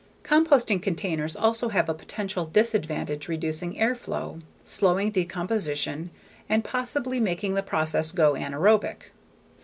Composting containers also have a potential disadvantage reducing air flow, slowing decomposition, and possibly making the process go anaerobic.